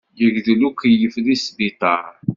Yegdel ukeyyef deg sbiṭaṛ.